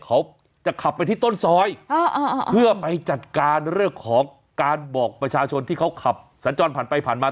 เขาจะขับไปที่ต้นซอยเพื่อไปจัดการเรื่องของการบอกประชาชนที่เขาขับสัญจรผ่านไปผ่านมา